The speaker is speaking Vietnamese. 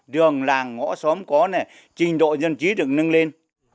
đường làng ngõ xóm có này trình độ dân trí được nâng lên